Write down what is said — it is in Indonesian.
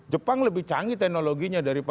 jepang lebih canggih teknologinya